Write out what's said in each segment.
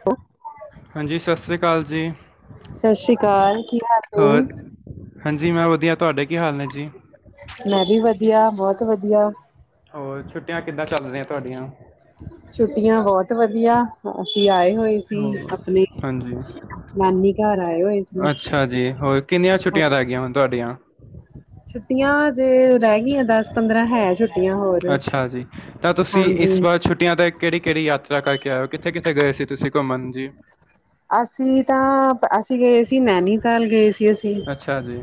ਹੈਂ ਹਾਂਜੀ ਸਤਿ ਸ੍ਰੀ ਅਕਾਲ ਜੀ ਸਤਿ ਸ੍ਰੀ ਅਕਾਲ ਕੀ ਹਾਲ ਹੋਰ ਨੇ ਹਾਂਜੀ ਮੈਂ ਵਧੀਆ ਤੁਹਾਡੇ ਕੀ ਹਾਲ ਨੇ ਜੀ ਮੈਂ ਵੀ ਵਧੀਆ ਬਹੁਤ ਵਧੀਆ ਹੋਰ ਛੁੱਟੀਆਂ ਕਿੱਦਾਂ ਚੱਲ ਰਹੀਆਂ ਤੁਹਾਡੀਆਂ ਛੁੱਟੀਆਂ ਬਹੁਤ ਵਧੀਆ ਅਸੀ ਆਏ ਹੋਏ ਸੀ ਹੋਰ ਆਪਣੇ ਹਾਂਜੀ ਨਾਨੀ ਘਰ ਆਏ ਹੋਏ ਸੀ। ਹਾਂਜੀ ਹੋਰ ਕਿੰਨੀਆਂ ਛੁੱਟੀਆਂ ਹਾਂਜੀ ਰਹਿ ਗਈਆ ਹੁਣ ਤੁਹਾਡੀਆਂ ਛੁੱਟੀਆਂ ਹਜੇ ਰਹਿ ਗਈਆਂ ਦਸ ਪੰਦਰਾਂ ਹੈ ਛੁੱ ਅੱਛਾ ਜੀ ਤਾਂ ਤੁਸੀਂ ਇਸ ਹਾਂਜੀ ਵਾਰ ਛੁੱਟੀਆਂ ਦਾ ਕਿਹੜੀ ਕਿਹੜੀ ਯਾਤਰਾ ਕਰਕੇ ਆਇਓ ਕਿੱਥੇ ਕਿੱਥੇ ਗਏ ਸੀ ਤੁਸੀਂ ਘੁੰਮਣ ਜੀ। ਅਸੀਂ ਤਾਂ ਅਸੀਂ ਗਏ ਸੀ ਨੈਨੀਤਾਲ ਗਏ ਸੀ ਅਸੀਂ ਅੱਛਾ ਜੀ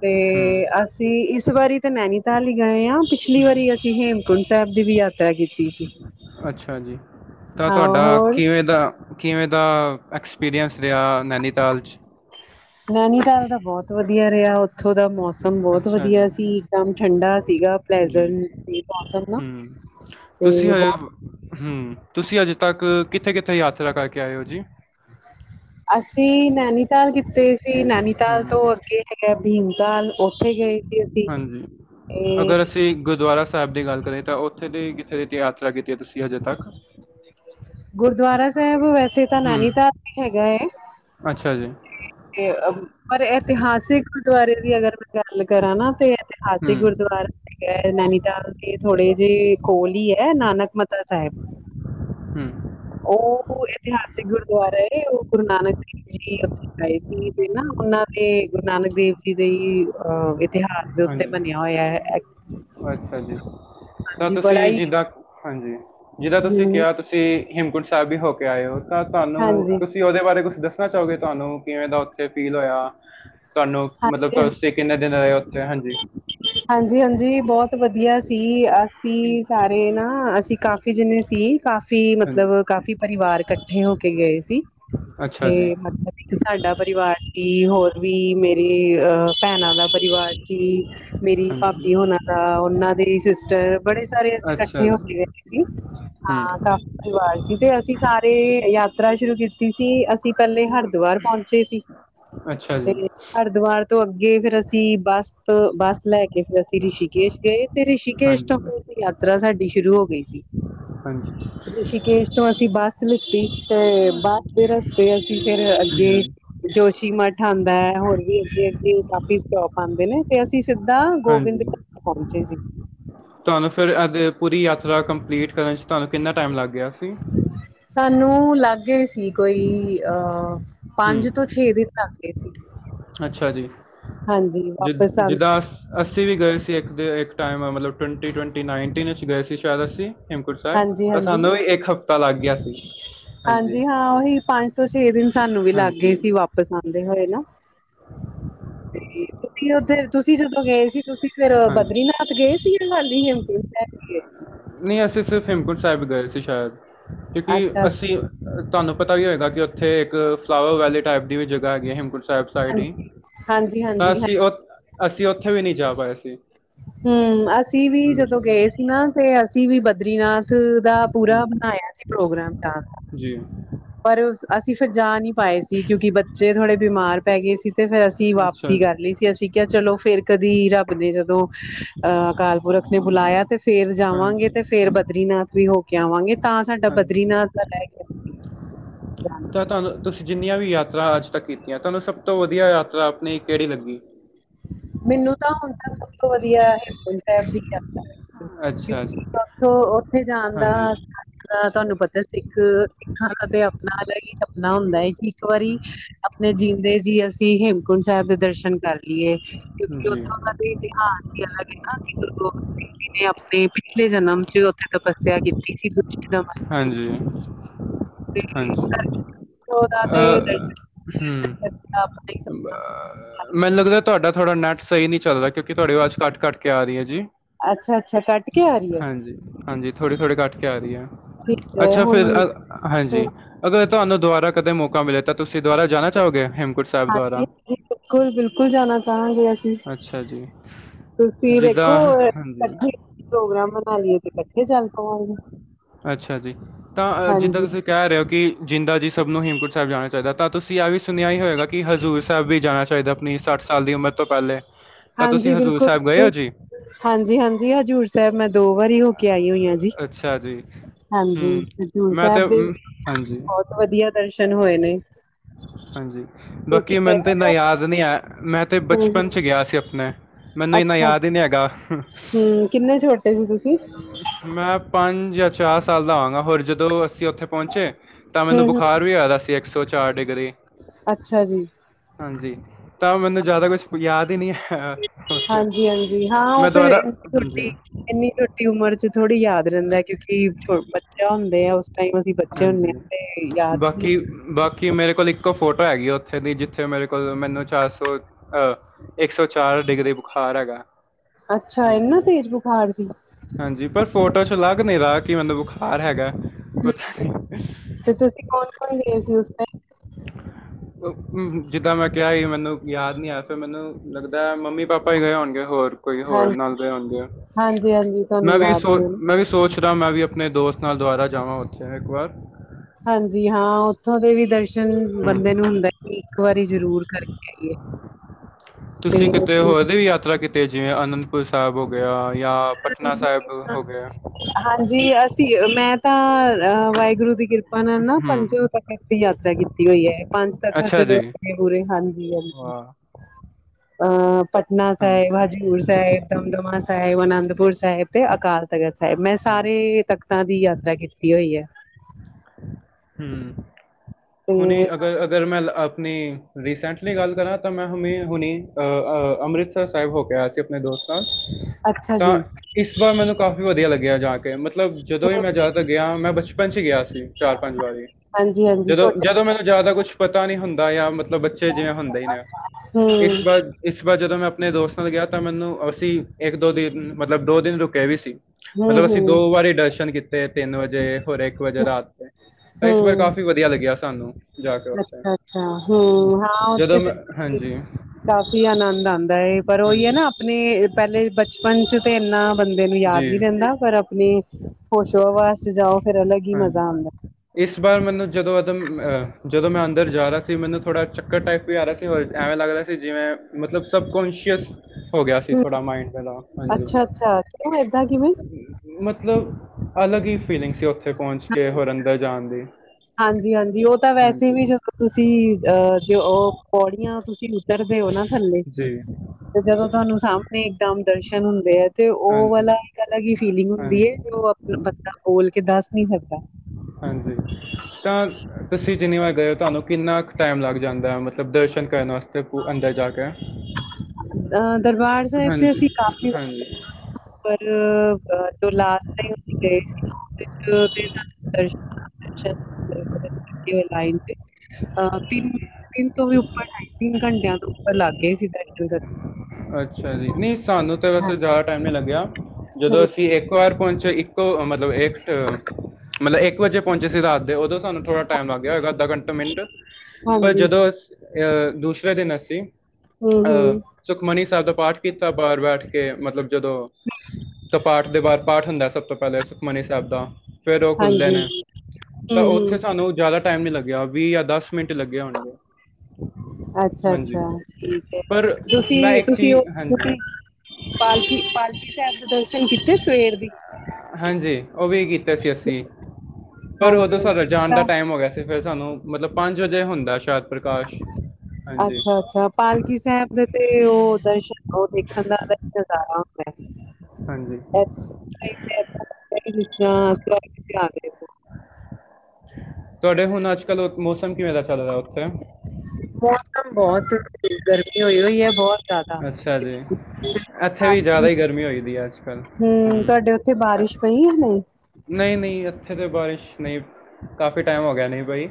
ਤੇ ਹੂੰ ਅ ਅਸੀਂ ਇਸ ਵਾਰੀ ਤਾਂ ਨੈਨੀਤਾਲ ਹੀ ਗਏ ਹਾਂ ਪਿਛਲੀ ਹੂੰ ਵਾਰੀ ਅਸੀਂ ਇਹ ਕਟ ਸਾਹਿਬ ਦੀ ਵੀ ਯਾਤਰਾ ਕੀਤੀ ਸੀ ਅੱਛਾ ਜੀ, ਤਾਂ ਹਾਂ ਤੁਹਾਡਾ ਹੋਰ ਕਿਵੇਂ ਦਾ ਕਿਵੇਂ ਦਾ ਐਕਸਪੀਰੀਅੰਸ ਰਿਹਾ ਨੈਨੀਤਾਲ 'ਚ ਨੈਨੀਤਾਲ ਦਾ ਬਹੁਤ ਵਧੀਆ ਰਿਹਾ ਉੱਥੋਂ ਦਾ ਮੌਸਮ ਬਹੁਤ ਅੱਛਾ ਜੀ ਵਧੀਆ ਸੀ। ਇਕਦਮ ਠੰਢਾ ਸੀਗਾ ਜੀ ਪਲੈਸੰਟ ਮੌਸਮ ਨਾ ਤੇ ਬਹੁਤ ਹਮ ਤੁਸੀਂ ਅੱਜ ਤੱਕ ਕਿੱਥੇ, ਕਿੱਥੇ ਯਾਤਰਾ ਕਰਕੇ ਆਏ ਹੋ ਜੀ। ਅਸੀਂ ਨੈਨੀਤਾਲ ਕੀਤੇ ਸੀ ਨੈਨੀਤਾਲ ਤੋਂ ਹੂੰ, ਅੱਗੇ ਹੈਗਾ ਭੀਮ ਤਾਲ ਹਾਂਜੀ, ਅਗਰ ਅਸੀਂ ਗੁਰਦੁਆਰਾ ਸਾਹਿਬ ਦੀ ਗੱਲ ਕਰੀਏ ਤਾਂ ਉੇ ਕਿੱਥੇ ਕਿੱਥੇ ਦੀ ਯਾਤਰਾ ਕੀਤੀ ਤੁਸੀਂ ਹਜੇ ਤੱਕ? ਗੁਰਦੁਆਰਾ ਸਾਹਿਬ ਵੈਸੇ ਤਾਂ ਹੂੰ, ਨੈਨੀਤਾਲ ਵੀ ਹੈਗਾ ਏ। ਅੱਛਾ ਜੀ। ਤੇ ਪਰ ਇਤਿਹਾਸਿਕ ਗੁਰਦੁਆਰੇ ਦੀ ਅਗਰ ਗੱਲ ਕਰਾਂ ਨਾ ਤੇ ਹੂੰ, ਇਤਿਹਾਸਿਕ ਗੁਰਦੁਆਰਾ ਨੈਨੀਤਾਲ ਦੇ ਥੋੜੇ ਜਹੇ ਕੋਲ ਹੀ ਹੈ ਨਾਨਕ ਮਾਤਾ ਸਾਹਿਬ ਹੂੰ, ਉਹ ਇਤਿਹਾਸਿਕ ਗੁਰਦੁਆਰਾ ਹੈ ਉਹ ਗੁਰੂ ਨਾਨਕ ਦੇਵ ਜੀ ਆਏ ਸੀ ਤੇ ਨਾ ਉਹਨਾਂ ਦੇ ਗੁਰੂ ਨਾਨਕ ਦੇਵ ਜੀ ਦੇ ਅਹ ਇਤਿਹਾਸ ਦੇ ਉੱਤੇ ਹਾਂਜੀ। ਬਣਿਆ ਹੋਇਆ ਹੈ। ਅੱਛਾ ਜੀ, ਤਾਂ ਹਾਂਜੀ ਤੁਸੀਂ ਬੜਾ ਹੀ ਜਿੱਦਾਂ ਹਾਂਜੀ ਜਿਦਾਂ ਤੁਸੀਂ ਹੂੰ, ਕਿਹਾ ਤੁਸੀਂ ਹੇਮਕੁੰਟ ਸਾਹਿਬ ਵੀ ਹੋ ਕੇ ਆਏ ਹੋ ਤਾਂ ਤੁਹਾਨੂੰ ਹਾਂਜੀ। ਤੁਸੀਂ ਤੁਸੀਂ ਉਹਦੇ ਬਾਰੇ ਕੁਛ ਦੱਸਣਾ ਚਾਹੋਗੇ ਤੁਹਾਨੂੰ ਕਿਵੇਂ ਦਾ ਉੱਥੇ ਫੀਲ ਹੋਇਆ। ਤੁਹਾਨੂੰ ਮਤਲਬ ਹਾਂਜੀ, ਹਾਂ- ਤੁਸੀ ਕਿੰਨੇ ਦਿਨ ਰਹੇ ਹੋ ਉੱਥੇ, ਹਾਂਜੀ। ਹਾਂਜੀ, ਹਾਂਜੀ ਬਹੁਤ ਵਧੀਆ ਸੀ ਅ ਸੀ ਸਾਰੇ ਨਾ ਅਸੀਂ ਕਾਫੀ ਜਿੰਨੇ ਸੀ ਕਾਫੀ ਹਾਂਜੀ। ਮਤਲਬ ਕਾਫੀ ਪਰਿਵਾਰ ਇਕੱਠੇ ਹੋ ਕੇ ਗਏ ਸੀ। ਤੇ ਅੱਛਾ ਜੀ। ਮਤਲਬ ਇੱਕ ਸਾਡਾ ਪਰਿਵਾਰ ਸੀ ਹੋਰ ਵੀ ਮੇਰੇ ਅਹ ਭੈਣਾਂ ਦਾ ਪਰਿਵਾਰ ਕੀ ਮੇਰੀ ਹਾਂਜੀ ਭਾਬੀ ਹੋਣਾ ਦਾ ਉਹਨਾਂ ਦੇ ਸਿਸਟਰ ਬੜੇ ਸਾਰੇ ਅਸੀਂ ਅੱਛਾ ਇਕੱਠੇ ਜੀ ਹੋਏ ਗਏ ਸੀ। ਹੂੰ। ਕਾਫ਼ੀ ਪਰਿਵਾਰ ਸੀ ਤੇ ਅਸੀਂ ਸਾਰੇ ਯਾਤਰਾ ਸ਼ੁਰੂ ਕੀਤੀ ਸੀ ਅਸੀਂ ਪਹਿਲੇ ਹਰਿਦੁਵਾਰ ਪਹੁੰਚੇ ਸੀ ਅੱਛਾ ਜੀ ਤੇ ਹਰਿਦੁਵਾਰ ਤੋਂ ਅੱਗੇ ਫੇਰ ਅਸੀਂ ਬੱਸ, ਬੱਸ ਲੈ ਕੇ ਫਿਰ ਅਸੀਂ ਰਿਸ਼ੀਕੇਸ਼ ਗਏ। ਤੇ ਰਿਸ਼ੀਕੇਸ਼ ਤੋਂ ਹਾਂਜੀ ਫਿਰ ਯਾਤਰਾ ਸਾਡੀ ਸ਼ੁਰੂ ਹੋ ਗਈ ਸੀ। ਹਾਂਜੀ ਰਿਸ਼ੀਕੇਸ਼। ਤੋਂ ਅਸੀਂ ਬੱਸ ਲਿੱਤੀ ਤੇ ਬੱਸ ਦੇ ਰਸਤੇ ਅਸੀਂ ਫਿਰ ਅੱਗੇ ਜੀ ਜੋਸ਼ੀ ਮੱਠ ਆਦਾ ਹੋਰ ਵੀ ਅੱਗੇ, ਅੱਗੇ ਕਾਫੀ ਸਟੋਪ ਆਉਂਦੇ ਨੇ ਤੇ ਅਸੀਂ ਸਿੱਦਾਂ ਹਾਂਜੀ ਗੋਬਿੰਦਘਾਟ ਪਹੁੰਚੇ ਸੀ। ਤੁਹਾਨੂੰ ਫਿਰ ਇਹਦੀ ਪੂਰੀ ਯਾਤਰਾ ਕੰਪਲੀਟ ਕਰਨ 'ਚ ਤੁਹਾਨੂੰ ਕਿੰਨਾ ਟਾਈਮ ਲੱਗ ਗਿਆ ਸੀ? ਸਾਨੂੰ ਲੱਗ ਗਏ ਸੀ ਕੋਈ ਅਹ ਹੂੰ ਪੰਜ ਤੋਂ ਛੇ ਦਿਨ ਲੱਗ ਗਏ ਸੀ। ਅੱਛਾ ਜੀ। ਹਾਂਜੀ ਵਾਪਿਸ ਆਂਦੇ ਜਿਦਾ ਸ ਅਸੀਂ ਵੀ ਗਏ ਸੀ ਇੱਕ ਦੇ ਇੱਕ ਟਾਈਮ ਮਤਲਬ ਟਵੰਟੀ ਟਵੰਟੀ ਨਾਈਨਟੀਨ ਇੱਚ ਗਏ ਸੀ। ਸ਼ਾਇਦ ਅਸੀਂ। ਹੇਮਕੂਟ ਸਾਹਿਬ ਹਾਂਜੀ ਤਾਂ ਹਾਂਜੀ ਸਾਨੂੰ ਵੀ ਇੱਕ ਹਫ਼ਤਾ ਲੱਗ ਗਿਆ ਸੀ। ਹਾਂਜੀ। ਹਾਂ ਉਹੀ ਪੰਜ ਤੋਂ ਛੇ ਦਿਨ ਸਾਨੂੰ ਵੀ ਲੱਗ ਗਏ ਹਾਂਜੀ ਸੀ ਵਾਪਿਸ ਆ [unintelligible] ਹੋਏ ਨਾ ਤੇ ਤੁਸੀਂ ਉੱਥੇ ਤੁਸੀਂ ਜਦੋਂ ਗਏ ਸੀ। ਤੁਸੀਂ ਫੇਰ ਹਾਂਜੀ ਬਦਰੀਨਾਥ ਗਏ ਸੀ ਯਾ ਖਾਲੀ ਹੇਮਕੁੰਟ ਸਾਹਿਬ ਹੀ ਗਏ ਸੀ। ਨਹੀਂ ਅਸੀਂ ਸਿਰਫ ਹੇਮਕੁੰਟ ਸਾਹਿਬ ਹੀਗਏ ਸੀ ਸ਼ਾਇਦ ਕਿਉਂਕਿ ਅੱਛਾ ਅਸੀਂ ਤੁਹਾਨੂੰ ਪਤਾ ਹੀ ਹੋਏਗਾ ਕਿ ਉੱਥੇ ਇੱਕ ਫਲਾਵਰ ਵੈਲੀ ਟਾਈਪ ਦੀ ਵੀ ਜਗ੍ਹਾ ਹੈਗੀ ਹੈ ਹੇਮਕੁੰਟ ਸੇਫ ਸਾਈਡ ਹੀ ਹਾਂਜੀ, ਤਾਂ ਹਾਂਜੀ-ਹਾਂਜੀ ਹੈ ਅਸੀਂ, ਅਸੀਂ ਉੱਥੇ ਵੀ ਨਹੀਂ ਜਾ ਪਾਏ ਸੀ। ਹੂੰ, ਅਸੀਂ ਵੀ ਹਾਂਜੀ ਜਦੋਂ ਗਏ ਸੀ ਨਾ ਤੇ ਅਸੀਂ ਵੀ ਬਦਰੀਨਾਥ ਦਾ ਹੂੰ ਪੂਰਾ ਬਨਾਇਆ ਸੀ ਪ੍ਰੋਗਰਾਮ ਡਾਂਸ ਦਾ ਜੀ ਪਰ ਅਸੀਂ ਫਿਰ ਜਾ ਨੀ ਪਾਏ ਸੀ। ਕਿਉਂਕਿ ਬੱਚੇ ਥੋੜੇ ਬਿਮਾਰ ਪੈ ਗਏ ਸੀ ਤੇ ਫਿਰ ਅਸੀਂ ਅੱਛਾ ਵਾਪਸੀ ਕਰ ਜੀ ਲਈ ਸੀ। ਅਸੀਂ ਕਿਹਾ ਚਲੋ ਫੇਰ ਕਦੀ ਰੱਬ ਨੇ ਜਦੋਂ ਅਹ ਅਕਾਲ ਪੁਰਖ ਨੇ ਬੁਲਾਇਆ ਤੇ ਫ ਫੇਰ ਜਾਵਾਂਗੇ ਹਾਂਜੀ ਤੇ ਫੇਰ ਬਦਰੀਨਾਥ ਵੀ ਹੋ ਕੇ ਕੇ ਆਵਾਂਗੇ ਤਾਂ ਸਾਡਾ ਹਾਂਜੀ ਬਦਰੀਨਾਥ ਦਾ ਰਹਿ ਗਿਆ ਸੀ ਜਾਣਾ। ਤੈਨੂੰ ਤੁਸੀ ਜਿੰਨੀਆਂ ਵੀ ਯਾਤਰਾ ਅੱਜ ਤੱਕ ਕੀਤੀਆਂ, ਤੁਹਾਨੂੰ ਸਭ ਤੋਂ ਵਧੀਆ ਯਾਤਰਾ ਆਪਨੀ ਕਿਹੜੀ ਲੱਗੀ? ਮੈਨੂੰ ਤਾਂ ਹੁਨ ਤਾਂ ਸਭ ਤੋਂ ਵਧੀਆ ਐ ਹੇਮਕੁੰਟ ਸਾਹਿਬ ਦੀ ਯਾਤਰਾ। ਅੱਛਾ ਜੀ ਉਥੋਂ ਉੱਥੇ ਜਾਨ ਦਾ ਹਾਂਜੀ ਤੁਹਾਨੂੰ ਪਤਾ ਸਿੱਖ ਸਿੱਖਾਂ ਦਾ ਤੇ ਆਪਨਾ ਅਲੱਗ ਈ ਸਪਨਾ ਹੁੰਦਾ ਹੈ ਕਿ ਇੱਕ ਵਾਰੀ ਅਪਨੇ ਜੀਂਦੇ ਜੀ ਅਸੀ ਹੇਮਕੁੰਟ ਸਾਹਿਬ ਦੇ ਦਰਸ਼ਨ ਕਰ ਲਈਏ। ਕਿਉਂਕਿ ਜੀ ਉੱਥੋਂ ਦਾ ਤੇ ਇਤਿਹਾਸ [unintelligible] ਗੁਰੂ ਗੋਬਿੰਦ ਸਿੰਘ ਜੀ ਨੇ ਅਪਨੇ ਪਿਛਲੇ ਜਨਮ ਚ ਉੱਥੇ ਤਪੱਸਿਆ ਕੀਤ। [unintelligible] ਹਾਂਜੀ, ਹਾਂਜੀ। ਹੋਰਾਂ ਨੇ ਅ, ਦਰਸ਼ਨ [unintelligible] ਆ ਮੈਨੂੰ ਲੱਗਦਾ ਤੁਹਾਡਾ ਥੋੜਾ ਨੈੱਟ ਸਹੀ ਨਹੀਂ ਚੱਲ ਰਿਹਾ ਕਿਉਂਕਿ ਤੁਹਾਡੀ ਆਵਾਜ਼ ਕੱਟ-ਕੱਟ ਕੇ ਆ ਰਹੀ ਐ ਜੀ। ਅੱਛਾ-ਅੱਛਾ ਕੱਟ ਕੇ ਆ ਰਹੀ ਐ। ਹਾਂਜੀ, ਹਾਂਜੀ ਥੋੜੀ-ਥੋੜੀ ਕੱਟ ਕੇ ਆ ਰਹੀ ਐ, ਠੀਕ ਹੈ ਅੱਛਾ ਹੁਣ ਫਿਰ ਅ ਹੁਣ ਹਾਂਜੀ ਅਗਰ ਤੁਹਾਨੂੰ ਦੁਬਾਰਾ ਕਦੇ ਮੌਕਾ ਮਿਲੇ ਤਾਂ ਤੁਸੀਂ ਦੁਬਾਰਾ ਜਾਨਾ ਚਾਹੋਗੇ ਹੇਮਕੂਟ ਸਾ ਹਾਂਜੀ-ਹਾਂਜੀ, ਬਿਲਕੁਲ-ਬਿਲਕੁਲ ਜਾਨਾਚਾਹਾਂਗੇ ਅਸੀਂ। ਅੱਛਾ ਜੀ, ਤੁਸੀਂ ਜਿੱਦਾਂ ਵੇਖੋ ਏ ਹਾਂਜੀ, ਕੱਠੇ ਪ੍ਰੋਗਰਾਮ ਬਨਾ ਲਈਏ ਤੇ ਇਕੱਠੇ ਚੱਲ ਪਵਾਂਗੇ। ਅੱਛਾ ਜੀ ਤਾਂ ਜਿੱਦਾਂ ਹਾਂਜੀ ਤੁਸੀਂ ਕਹਿ ਰਹੇ ਹੋ ਕਿ ਜਿੰਦਾ ਜੀ ਸਭ ਨੂੰ ਹੇਮਕੁਟ ਸਾਹਿਬ ਜਾਨਾ ਚਾਹੀਦਾ ਤਾਂ ਤੁਸੀਂ ਇਹ ਵੀ ਸੁਣਿਆ ਹੀ ਹੋਏਗਾ ਕਿ ਹਜ਼ੂਰ ਸਾਹਿਬ ਵੀ ਜਾਨਾ ਚਾਹੀਦਾ। ਆਪਣੀ ਸੱਠ ਸਾਲ ਦੀ ਉਮਰ ਤੋਂ ਪਹਿਲੇ ਤਾਂ ਤੁਸੀਂ ਹਜ਼ੂਰ ਸਾਹਿਬ ਗਏ ਹੋ ਜੀ? ਹਾਂਜੀ-ਹਾਂਜੀ ਹਜ਼ੂਰ ਸਾਹਿਬ ਮੈਂ ਦੋ ਵਾਰੀ ਹੋ ਕੇ ਆਈ ਹੋਈ ਆਂ ਜੀ। ਅੱਛਾ ਜੀ। ਹਾਂਜੀ ਹੂੰ, ਹਜ਼ੂਰ ਮੈਂ ਸਾਹਿਬ ਤੇ ਦੇ ਮ, ਹਾਂਜੀ। ਬੋਤ ਵਧੀਆ ਦਰਸ਼ਨ ਹੋਏ ਨੇ। ਹਾਂਜੀ ਤੁਸੀਂ ਬਾਕੀ ਗਏ ਮੈਨੂੰ ਤਾਂ ਇਨਾ ਹੋ ਯਾਦ ਨਹੀਂ ਐ ਮੈਂ ਤੇ ਹਮ ਬਚਪਨ ਹਮ ਚ ਗਿਆ ਸੀ ਅਪਨੇ। ਮੈਨੂੰ ਇੰਨਾ ਅੱਛਾ ਯਾਦ ਈ ਨੀ ਹੈਗਾ। ਹਮ ਕਿੰਨੇ ਛੋਟੇ ਸੀ ਤੁਸੀਂ ਮੈਂ ਪੰਜ ਜਾਂ ਚਾਰ ਸਾਲ ਦਾ ਹੋਵਾਂਗਾ ਹੋਰ ਜਦੋਂ ਅਸੀਂ ਉੱਥੇ ਪਹੁੰਚੇ ਤਾਂ ਮੈਨੂੰ ਹਮ ਹਮ ਬੁਖਾਰ ਵੀ ਹੋਇਆ ਦਾ ਸੀ ਇੱਕ ਸੌ ਚਾਰ ਡਿਗਰੀ। ਅੱਛਾ ਜੀ। ਹਾਂਜੀ ਤਾਂ ਮੈਨੂੰ ਜ਼ਿਆਦਾ ਕੁਛ ਯਾਦ ਈ ਨੀ ਐ। ਹਾਂਜੀ-ਹਾਂਜੀ ਹਾਂ ਉਹ ਫੇਰ ਦੁਬਾਰਾ ਇੰਨੀ ਹਾਂਜੀ, ਛੋਟੀ, ਇਨੀ ਛੋਟੀ ਉਮਰ ਚ ਥੋੜ੍ਹੀ ਯਾਦ ਰਹਿੰਦਾ ਐ। ਕਿਉਂਕਿ ਬੱਚਾ ਹੁੰਦੇ ਆ, ਉਸ ਟਾਈਮ ਅਸੀਂ ਬੱਚੇ ਹੁੰਨੇ ਆ ਤੇ ਯਾਦ ਈ ਕਿ ਮੇਰੇ ਕੋਲ ਇੱਕੋ ਫੋਟੋ ਹੈਗੀ ਉੱਥੇ ਦੀ ਜਿੱਥੇ ਮੇਰੇ ਕੋਲ ਮੈਨੂੰ ਚਾਰ ਸੌ ਅ ਇੱਕ ਸੌ ਚਾਰ ਡਿਗਰੀ ਬੁਖਾਰ ਹੈਗਾ। ਅੱਛਾ, ਇੰਨਾ ਹਾਂਜੀ। ਤੇਜ਼ ਬੁਖਾਰ ਸੀ। ਹਾਂਜੀ ਪਰ ਫੋਟੋ ਚ ਲਗ ਨੀ ਰਹਾ ਕੀ ਮੈਨੂੰ ਬੁਖਾਰ ਹੈਗਾ। ਪਤਾ ਨਹੀਂ ਤੇ ਤੁਸੀਂ ਕੌਣ ਕੌਣ ਗਏ ਸੀ ਉਸ ਜਿੱਦਾਂ ਮੈਂ ਕਿਹਾ ਈ ਮੈਨੂੰ ਯਾਦ ਨੀ ਅ ਤੇ ਮੈਨੂੰ ਲੱਗਦਾ ਮੰਮੀ ਪਾਪਾ ਹੀ ਗਏ ਹੋਨਗੇ ਹੋਰ ਕੋਈ ਟਾਈਮ ਹੋਰ ਹਾਂਜੀ ਨਾਲ ਦੇ ਆਣਗੇ ਹਾਂਜੀ ਹਾਂਜੀ ਤੁਹਾਨੂੰ ਮੈਂ ਵੀ ਯਾਦ ਸੋ ਮੈਂ ਵੀ ਸੋਚਦਾ ਮੈਂ ਵੀ ਆਪਣੇ ਦੋਸਤ ਨਾਲ ਦੁਬਾਰਾ ਜਾਵਾਂ ਉੱਥੇ ਇੱਕ ਵਾਰ। ਹਾਂਜੀ ਹਾਂ ਉੱਥੋਂ ਦੇ ਵੀ ਦਰਸ਼ਨ ਬੰਦੇ ਹੂੰ ਨੂੰ ਹੁੰਦਾ ਹੈ ਇੱਕ ਵਾਰੀ ਜ਼ਰੂਰ ਕਰਕੇ ਆਈਏ। ਤੇ ਤੁਸੀਂ ਕਿਤੇ ਹੋਰ ਦੀ ਵੀ ਯਾਤਰਾ ਕੀਤੀ ਜਿਵੇਂ ਅਨੰਦ ਪੁਰ ਸਾਹਿਬ ਹੋ ਗਿਆ ਯਾ ਪਟਨਾ ਸਾਹਿਬ ਦੂਸਰਾ ਹੋ ਗਿਆ। ਹਾਂਜੀ ਅਸੀਂ ਮੈਂ ਤਾਂ ਅ ਵਾਹਿਗੁਰੂ ਦੀ ਕਿਰਪਾ ਪਾਪਾ ਨਾਲ ਨਾ ਹੂੰ ਪੰਜੋ ਤਖ਼ਤ ਦੀ ਯਾਤਰਾ ਕੀਤੀ ਹੋਈ ਐ ਪੰਜ ਤਖ਼ਤ ਅੱਛਾ ਜੀ ਲੋਕ ਪੂਰੇ ਹਾਂਜੀ-ਹਾਂਜੀ ਵਾਹ ਅਹ ਪਟਨਾ ਸਾਹਿਬ, ਹਾਂਜੀ ਹਜ਼ੂਰ ਸਾਹਿਬ। ਦਮਦਮਾ ਸਾਹਿਬ, ਅਨੰਦਪੁਰ ਸਾਹਿਬ ਤੇ ਅਕਾਲ ਤਖ਼ਤ ਸਾਹਿਬ ਮੈਂ ਹਾਂਜੀ ਸਾਰੇ ਤਖ ਤਾ ਦੀ ਯਾਤਰਾ ਕੀਤੀ ਹੋਈ ਐ। ਹੂੰ, ਹੁਨੀ ਤੇ ਅਗਰ, ਅਗਰ ਮੈਂ ਅਪਨੀ ਰੀਸੈਂਟਲੀ ਗੱਲ ਕਰਾਂ ਤਾਂ ਮੈਂ ਹੁ ਹੁਣੀ ਅਹ ਅੰਮ੍ਰਿਤਸਰ ਸਾਹਿਬ ਹੋ ਕੇ ਆਇਆ ਸੀ ਅਪਨੇ ਦੋਸਤ ਨਾਲ। ਅੱਛਾ ਤਾਂ ਜੀ ਇਸ ਵਾਰ ਮੈਨੂੰ ਕਾਫ਼ੀ ਵਧੀਆ ਲੱਗਿਆ ਜਾ ਕੇ ਮਤਲਬ ਮਤਲਬ ਜਦੋਂ ਹੀ ਮੈਂ ਜ਼ਿਆਦਾਤਰ ਗਿਆ ਮੈਂ ਬਚਪਨ ' ਹੀ ਗਿਆ ਸੀ ਚਾਰ ਪੰਜ ਵਾਰੀ ਹਾਂਜੀ ਹਾਂਜੀ ਜਦੋਂ ਛੋਟੇ ਜਦੋਂ ਮੈਨੂੰ ਜ਼ਿਆਦਾ ਕੁਛ ਪਤਾ ਨਹੀ ਹੁੰਦਾ ਜਾਂ ਮਤਲਬ ਬੱਚੇ ਜਿਵੇਂ ਹੁੰਦਾ ਹੀ ਨੇ ਹਮ ਇਸ ਵਾਰ ਇਸ ਵਾਰ ਜਦੋਂ ਮੈਂ ਆਪਣੇ ਦੋਸਤ ਨਾਲ ਗਿਆ ਤਾਂ ਮੈਨੂੰ ਅਸੀਂ ਇੱਕ ਦੋ ਦਿਨ ਮਤਲਬ ਦੋ ਦਿਨ ਰੁਕੇ ਵੀ ਸੀ ਹਮ ਮਤਲਬ ਅਸੀਂ ਦੋ ਹਮ ਵਾਰੀ ਦਰਸ਼ਨ ਕੀਤੇ ਤੇ ਤਿੰਨ ਵਜੇ ਹੋਰ ਇੱਕ ਵਜੇ ਰਾਤ ਤੇ ਤਾਂ ਇਸ ਬਾਰ ਹਮ ਕਾਫ਼ੀ ਵਧੀਆ ਲੱਗਿਆ ਸਾਨੂੰ ਜਾ ਕੇ ਉੱਥੇ ਅੱਛਾ ਅੱਛਾ ਹਮ ਹਾਂ ਜਦੋਂ ਮੈਂ ਉੱਥੇ ਹਾਂਜੀ ਕਾਫ਼ੀ ਆਨੰਦ ਆਉਂਦਾ ਹੈ ਪਰ ਉਹੀ ਹੈ ਹਾਂਜੀ, ਨਾ ਆਪਣੇ ਪਹਿਲੇ ਬਚਪਨ ਚ ਤੇ ਇੰਨਾ ਬੰਦੇ ਨੂੰ ਯਾਦ ਜੀ, ਨੀ ਰਹਿੰਦਾ ਪਰ ਆਪਣੀ ਹੋਸ਼ਆਵਾਸ ਜਾਓ ਫਿਰ ਅਲੱਗ ਹੀ ਮਜ਼ਾ ਆਉਂਦਾ ਹਾਂਜੀ। ਇਸ ਵਾਰ ਮੈਨੂੰ ਜਦੋਂ ਅਦਮ ਅ ਜਦੋਂ ਮੈਂ ਅੰਦਰ ਜਾ ਰਿਹਾ ਸੀ ਮੈਨੂੰ ਥੋੜ੍ਹਾ ਚੱਕਰ ਟਾਈਪ ਵੀ ਆ ਰਿਹਾ ਸੀ ਔਰ ਐਵੇਂ ਲੱਗਦਾ ਸੀ ਜਿਵੇਂ ਮਤਲਬ ਸਬਕੋਂਸ਼ੀਅਸ ਹੋ ਗਿਆ ਸੀ ਥੋਡਾ ਮਾਈੰਡ ਪਹਿਲਾਂ ਹਾਂਜੀ ਅੱਛਾ ਅੱਛਾ ਕਿਉਂ ਏਦਾਂ ਕਿਵੇਂ ਮਤਲਬ ਅਲੱਗ ਹੀ ਫੀਲਿੰਗ ਸੀ ਉੱਥੇ ਪਹੁੰਚ ਕੇ ਹੋਰ ਅੰਦਰ ਜਾਣ ਦੀ ਹਾਂਜੀ ਹਾਂਜੀ ਉਹ ਤਾਂ ਵੈਸੇ ਹਾਂਜੀ, ਵੀ ਜਦੋਂ ਤੁਸੀਂ ਅਹ ਜੋ ਉਹ ਪੌੜੀਆਂ ਤੁਸੀਂ ਉਤਰ ਦੇ ਹੋ ਨਾ ਥੱਲੇ ਜੀ, ਤੇ ਜਦੋਂ ਤੁਹਾਨੂੰ ਸਾਹਮਣੇ ਇਕਦਮ ਦਰਸ਼ਨ ਹੁੰਦੇ ਆ ਤੇ ਉਹ ਹਾਂਜੀ, ਵਾਲਾ ਇੱਕ ਅਲੱਗ ਹੀ ਫੀਲਿੰਗ ਹੁੰਦੀ ਹੈ ਹਾਂਜੀ, ਜੋ ਆਪ ਬੰਦਾ ਬੋਲ ਕੇ ਦੱਸ ਨੀ ਸਕਦਾ ਹਾਂਜੀ ਤਾਂ ਤੁਸੀਂ ਜਿੰਨੀ ਵਾਰ ਗਏ ਹੋ ਤੁਹਾਨੂੰ ਕਿੰਨਾ ਕੁ ਟਾਈਮ ਲੱਗ ਜਾਂਦਾ ਹੈ ਮਤਲਬ ਦਰਸ਼ਨ ਕਰਨ ਵਾਸਤੇ ਪ ਅੰਦਰ ਜਾ ਕੇ ਅ ਦਰਬਾਰ ਸਾਹਿਬ ਤੇ ਹਾਂਜੀ ਅਸੀਂ ਕਾਫੀ ਹਾਂਜੀ ਪਰ ਲਾਸਟ ਟਮ ਗਏ ਸੀ ਲਾਈਨ ਤੇ ਅਹ ਤਿੰਨ ਤਿੰਨ ਤੋਂ ਵੀ ਉੱਪਰ ਤਿੰਨ ਘੰਟਿਆਂ ਤੋਂ ਉੱਪਰ ਲੱਗ ਗਏ ਸੀ ਠੀਕ ਹੈ ਅੱਛਾ ਜੀ ਨਹੀਂ ਸਾਨੂੰ ਤੇ ਵੈਸੇ ਹਾਂਜੀ, ਜਿਆਦਾ ਟਾਈਮ ਹੀ ਲੱਗਿਆ ਜਦੋਂ ਹੂੰ, ਅਸੀਂ ਇੱਕ ਵਾਰ ਪਹੁੰਚੋ ਜੀ ਕੋ ਮਤਲਬ ਇੱਕ ਮਤਲਬ ਇੱਕ ਵਜੇ ਪਹੁੰਚੇ ਸੀ ਰਾਤ ਦੇ ਉਦੋਂ ਸਾਨੂੰ ਥੋੜ੍ਹਾ ਟਾਈਮ ਲੱਗ ਗਿਆ ਹੋਏਗਾ ਅੱਧਾ ਘੰਟਾ ਮਿੰਟ ਪਰ ਹਾਂਜੀ, ਜਦੋਂ ਅਹ ਦੂਸਰੇ ਦਿਨ ਅਸੀਂ ਅਹ ਹੂੰ-ਹੂੰ, ਸੁਖਮਨੀ ਸਾਹਿਬ ਦਾ ਪਾਠ ਕੀਤਾ ਬਾਹਰ ਬੈਠ ਕੇ ਮਤਲਬ ਜਦੋਂ ਕ ਪਾਠ ਦੇ ਬਦ ਪਾਠ ਹੁੰਦਾ ਸਭ ਤੋਂ ਪਹਿਲੇ ਸੁਖਮਨੀ ਸਾਹਿਬ ਦਾ ਫਿਰ ਉਹ ਖੁੱਲਦੇ ਨੇ ਹਾਂਜੀ, ਤਾਂ ਹੂੰ-ਹੂੰ, ਉੱਥੇ ਸਾਨੂੰ ਜ਼ਿਆਦਾ ਟਾਈਮ ਨੀ ਲੱਗਿਆ ਵੀਹ ਜਾਂ ਦਸ ਮਿੰਟ ਲੱਗੇ ਹੋਣਗੇ ਅੱਛਾ ਹਾਂਜੀ ਅੱਛਾ ਠੀਕ ਹੈ ਪਰ ਤੁ ਮੈਂ ਇੱਕ ਤੁਸੀਂ ਚੀਜ਼ ਉਹ ਹਾਂਜੀ ਪਾਲਕੀ ਪਾਲਕੀ ਸਾਹਿਬ ਦੇ ਦਰਸ਼ਨ ਕੀਤੇ ਸਵੇਰ ਦੀ ਹਾਂਜੀ ਉਹ ਵੀ ਕੀਤਾ ਸੀ ਅਸੀਂ ਪਰ ਉਦੋਂ ਸਡਾ ਹਾਂਜੀ-ਹਾਂਜੀ, ਜਾਣ ਦਾ ਟਾਈਮ ਹੋ ਗਿਆ ਸੀ ਤੇ ਫਿਰ ਸਾਨੂੰ ਮਤਲਬ ਪੰਜ ਵਜੇ ਹੁੰਦਾ ਸ਼ਾਇਦ ਪ੍ਰਕਾਸ਼ ਹਾਂਜੀ ਅੱਛਾ ਅੱਛਾ ਪਾਲਕੀ ਸਾਹਿਬ ਦੇ ਤੇ ਉਹ ਦਰਸ਼ਨ ਉਹ ਦੇਖਣ ਦਾ ਅਲੱਗ ਨਜ਼ਾਰਾ ਹੁੰਦਾ ਹਾਂਜੀ ਅ। ਤੁਹਾਡੇ ਹੁਣ ਅੱਜ ਕੱਲ੍ਹ ਮੌਸਮ ਕਿਵੇਂ ਦਾ ਚੱਲ ਰਿਹਾ ਉੱਥੇ? ਮੌਸਮ ਬਹੁਤ ਗਰਮੀ ਹੋਈ ਹੋਈ ਹੈ ਬਹੁਤ। ਅੱਛਾ ਜੀ ਇੱਥੇ ਵੀ ਜ਼ਿਆਦਾ ਹੀ ਗਰਮੀ ਹੋਈ ਦੀ ਹੈ ਅੱਜ ਕੱਲ ਹਮ ਤੁਹਾਡੇ। ਬਾਰਿਸ਼ ਪਈ ਸੀ ਨਹੀਂ ਨਹੀਂ ਇੱਥੇ ਤੇ ਬਾਰਿਸ਼ ਨਹੀਂ ਕਾਫ਼ੀ ਟਾਈਮ ਹੋ ਗਿਆ ਨਹੀਂ ਪਈ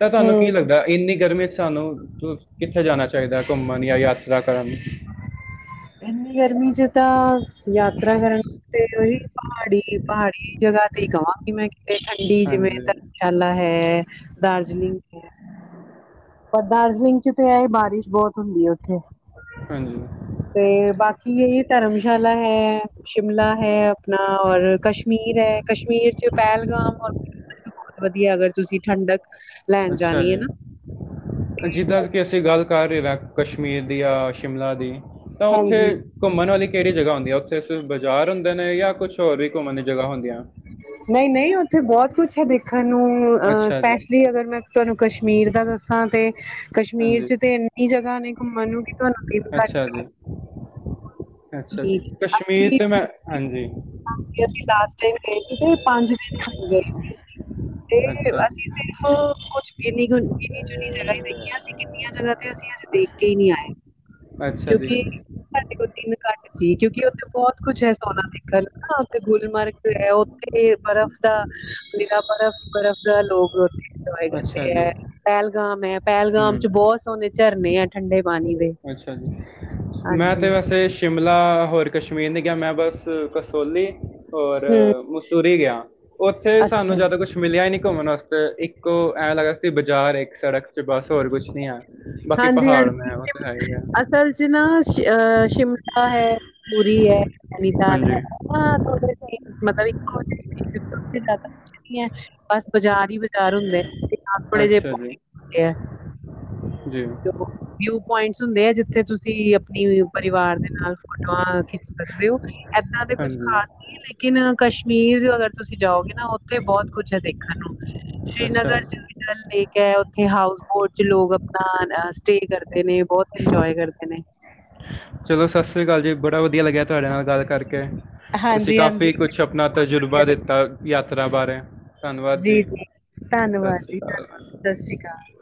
ਤਾਂ ਤੁਹਾਨੂੰ ਕੀ ਹਮ ਲੱਗਦਾ ਇੰਨੀ ਗਰਮੀ ਚ ਸਾਨੂੰ ਕਿੱਥੇ ਜਾਣਾ ਚਾਹੀਦਾ ਘੁੰਮਣ ਜਾਂ ਯਾਤਰਾ ਕਰਨ ਇੰਨੀ ਗਰਮੀ ਚ ਤਾਂ ਯਾਤਰਾ ਕਰਨ ਤੇ ਉਹੀ ਪਹਾੜੀ ਪਹਾੜੀ ਜਗ੍ਹਾ ਤੇ ਹੀ ਕਹਾਂਗੀ ਮੈਂ ਤੇ ਠੰਡੀ ਜਿਵੇਂ ਹਾਂਜੀ ਧਰਮਸ਼ਾਲਾ ਹੈ ਦਾਰਜਲਿੰਗ ਹੈ ਪਰ ਦਾਰਜਲਿੰਗ ਚ ਤੇ ਹੈ ਹੀ ਬਾਰਿਸ਼ ਬਹੁਤ ਹੁੰਦੀ ਉੱਥੇ ਹਾਂਜੀ, ਤੇ ਬਾਕੀ ਇਹ ਧਰਮਸ਼ਾਲਾ ਹੈ। ਸ਼ਿਮਲਾ ਹੈ, ਆਪਣਾ ਔਰ ਕਸ਼ਮੀਰ ਹੈ ਕਸ਼ਮੀਰ ਚ ਪਹਿਲਗਾਮ ਔਰ। ਬਹੁਤ ਵਧੀਆ, ਅਗਰ ਤੁਸੀਂ ਠੰਡਕ ਲੈਣ ਅੱਛਾ ਜਾਣੀ ਹੈ ਜੀ ਨਾ। ਜਿੱਦਾਂ ਕਿ ਅਸੀਂ ਗੱਲ ਕਰ ਰਹੇ ਕਸ਼ਮੀਰ ਦੀ ਜਾਂ ਸ਼ਿਮਲਾ ਦੀ। ਤਾਂ ਉੱਥੇ। ਹਾਂਜੀ ਘੁੰਮਣ ਵਾਲੀ ਕਿਹੜੀ ਜਗ੍ਹਾ ਹੁੰਦੀ ਉੱਥੇ ਸਿਰਫ਼ ਬਾਜ਼ਾਰ ਹੁੰਦੇ ਨੇ ਜਾਂ ਕੁਛ ਹੋਰ ਵੀ ਘੁੰਮਣ ਦੀ ਜਗ੍ਹਾ ਹੁੰਦੀਆਂ। ਨਹੀਂ, ਨਹੀਂ ਉੱਥੇ ਬਹੁਤ ਕੁਛ ਹੈ ਦੇਖਣ ਨੂੰ ਅ ਅੱਛਾ ਜੀ ਸਪੈਸ਼ਲੀ ਅਗਰ ਮੈਂ। ਤੁਹਾਨੂੰ ਕਸ਼ਮੀਰ ਦਾ ਦੱਸਾਂ ਤੇ ਕਸ਼ਮੀਰ ਹਾਂਜੀ ਚ ਤੇ ਇੰਨੀ ਜਗ੍ਹਾ ਨੇ ਘੁੰਮਣ ਨੂੰ ਕਿ ਤੁਹਾਨੂੰ। ਤਿੰਨ ਅੱਛਾ ਜੀ ਘੱਟ। ਅੱਛਾ ਪੈਣਗੇ। ਜੀ, ਕਸ਼ਮੀਰ ਤੇ ਮੈਂ ਹਾਂਜੀ। ਹਾਂ ਤੇ ਅਸੀਂ ਲਾਸਟ ਟਾਈਮ ਗਏ ਸੀ ਨਾ ਤੇ ਪੰਜ ਦਿਨ ਗਏ ਸੀ ਅਸੀਂ। ਤੇ ਅੱਛਾ ਅਸੀਂ ਜੀ ਸਿਰਫ ਕੁਛ ਨੀ, [inaudible] ਚੁਨੀ ਜਗ੍ਹਾ ਹੀ ਦੇਖੀਆਂ ਸੀ, ਕਿੰਨੀਆਂ ਜਗ੍ਹਾ ਤੇ ਅਸੀਂ ਅਸੀਂ ਦੇਖ ਕੇ ਹੀ ਨਹੀਂ ਆਏ। ਅੱਛਾ ਜੀ ਕਿਉਂਕਿ, ਸਾਡੇ ਕੋਲ ਦਿਨ ਘੱਟ ਸੀ, ਕਿਉਂਕਿ ਉੱਥੇ ਬਹੁਤ ਕੁਛ ਹੈ ਸੋਹਣਾ ਦੇਖਣ ਨੂੰ। ਡਲ ਨਾ ਉਥੇ ਗੁਲਮਰਗ ਹੈ ਉੱਥੇ ਬਰਫ਼ ਦਾ। ਨਿਰਾ ਬਰਫ਼ ਬਰਫ ਦਾ ਲੋਕ। [inaudible] ਅੱਛਾ ਦੇ ਹੈ ਜੀ ਪਹਿਲਗਾਮ ਹੈ ਪਹਿਲਗਾਮ ਹੂੰ ਚ ਬਹੁਤ ਸੋਹਣੇ ਝਰਨੇ ਆ ਠੰਡੇ ਪਾਣੀ ਦੇ। ਅੱਛਾ ਜੀ ਮੈਂ ਹਾਂਜੀ ਤੇ ਵੈਸੇ। ਸ਼ਿਮਲਾ ਹੋਰ ਕਸ਼ਮੀਰ ਨੀ ਗਿਆ ਮੈਂ ਬਸ ਕਸੋਲੀ ਹੋਰ ਹੂੰ ਮਸੂਰੀ ਗਿਆ। ਉੱਥੇ ਅੱਛਾ ਸਾਨੂੰ ਜਿਆਦਾ ਕੁਛ। ਕ ਮਿਲਿਆ ਨੀ ਘੁੰਮਣ ਵਾਸਤੇ ਇੱਕੋ ਐਵੇਂ ਲੱਗਦਾ ਕਿ ਬਾਜ਼ਾਰ ਇੱਕ ਸੜਕ ਚ ਬਸ ਹੋਰ ਕੁਛ ਨੀ ਹੈ। ਬਾਕੀ ਹਾਂਜੀ ਪਹਾੜ ਹਾਂਜੀ ਹੈ ਬਸ। ਤਾਂ ਅਸਲ ਚ ਨਾ ਅਹ ਸ਼ਿਮਲਾ ਹੈ ਪੂਰੀ ਹੈ ਨੈਨੀਤਾਲ ਹੈ। ਹਾਂਜੀ ਹਾਂ ੋੇ [inaudible] ਮਤਲਬ ਬਸ ਬਾਜ਼ਾਰ ਹੀ ਬਾਜ਼ਾਰ ਹੁੰਦੇ ਆਪਣੇੇ ਜਿਹੇ ਅੱਛਾ ਜੀ ਹੁੰਦੇ ਆ। ਜੀ। ਚੋ। ਵਿਊ ਪੁਇੰਟਸ ਹੁੰਦੇ ਆ ਜਿੱਥੇ ਤੁਸੀਂ ਆਪਣੀ ਪਰਿਵਾਰ ਦੇ ਨਾਲ ਫੋਟੋਆਂ ਖਿੱਚ ਸਕਦੇ ਹੋ। ਇੱਦਾਂ ਦੇ ਕੁਛ ਹਾਂਜੀ ਖਾਸ ਨਹੀਂ ਲੇਕਿਨ ਕਸ਼ਮੀਰ ਅਗਰ ਤੁਸੀਂ ਜਾਓਗੇ ਨਾ ਉੱਥੇ ਬਹੁਤ ਕੁਛ ਹੈ ਦੇਖ। ਦੇਖਣ ਨੂੰ ਅੱਛਾ ਸ਼੍ਰੀਨਗਰ ਚ ਜੀ ਵੀ ਡਲ ਲੇਕ ਹੈ ਉੱਥੇ ਹਾਊਸ ਬੋਟ ਚ ਲੋਕ ਆਪਣਾ। ਸਟੇ ਕਰਦੇ ਨੇ ਬਹੁਤ ਇੰਜੋਏ ਕਰਦੇ ਨੇ। ਚਲੋ ਸਤਿ ਸ੍ਰੀ ਅਕਾਲ ਜੀ, ਬੜਾ ਵਧੀਆ ਲੱਗਿਆ ਤੁਹਾਡੇ ਨਾਲ ਗੱਲ ਕਰਕੇ। ਤੁਸੀਂ ਹਾਂਜੀ-ਹਾਂਜੀ ਕਾਫ਼ੀ ਕੁਛ ਮੈਨੂੰ ਵੀ ਆਪਣਾ ਬਹੁਤ ਵਧੀਆ ਤਜੁਰਬਾ ਲੱਗਿਆ ਦਿੱਤਾ ਯਾਤਰਾ ਬਾਰੇ। ਧੰਨਵਾਦ ਜੀ। ਜੀ-ਜੀ ਸਤਿ ਧੰਨਵਾਦ ਸ੍ਰੀ ਜੀ, ਅਕਾਲ ਧੰਨਵਾਦ, ਸਤਿ ਸ਼੍ਰੀ ਅਕਾਲ।